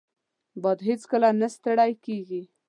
باد هیڅکله نه ستړی کېږي